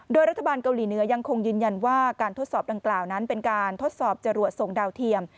โดยรัฐบาลเกาหลีเหนือยังคงยืนยันว่าการทดสอบดังกล่าวนั้นเป็นการทดสอบจรวดส่งดาวเทียม